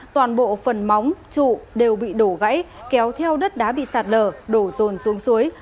toàn bộ phần móng trụ đều bị đổ gãy kéo theo đất đá bị sạt lở đổ rồn xuống suối